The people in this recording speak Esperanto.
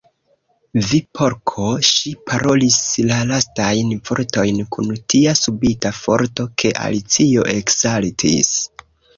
"Vi Porko!" Ŝi parolis la lastajn vortojn kun tia subita forto ke Alicio eksaltis.